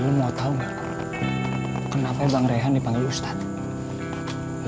lu mau tau gak kenapa bang rehan dipanggil ustadz